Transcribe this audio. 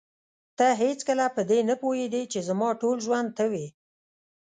ته هېڅکله په دې نه پوهېدې چې زما ټول ژوند ته وې.